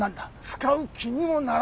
使う気にもならん。